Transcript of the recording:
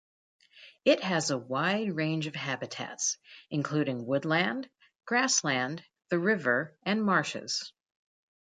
It has a wide range of habitats, including woodland, grassland, the river and marshes.